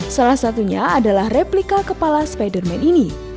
salah satunya adalah replika kepala spider man ini